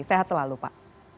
sehat selalu pak